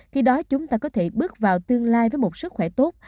khi đó chúng ta có thể bước vào tương lai với một sức khỏe tốt